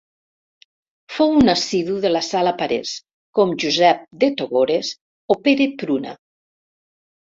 Fou un assidu de la Sala Parés, com Josep de Togores o Pere Pruna.